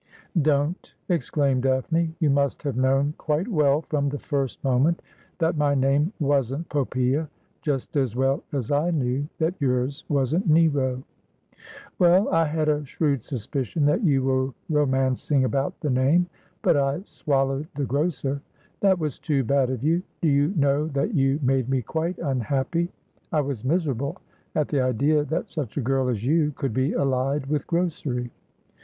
' Don't,' exclaimed Daphne ;' you must have known quite well from the first moment that my name wasn't Popp^a, just as well as I knew that yours wasn't Nero.' 'Well, I had a shrewd suspicion that you were romancing about the name ; but I swallowed the grocer. That was too bad of you. Do you know thai you made me quite unhappy ? I was miserable at the idea that such a girl as you could be allied with grocery.